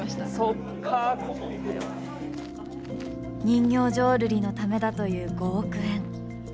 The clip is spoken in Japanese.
人形浄瑠璃のためだという５億円。